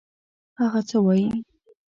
هغه څه وايي.